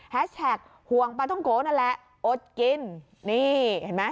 แท็กห่วงปลาท่องโกนั่นแหละอดกินนี่เห็นไหม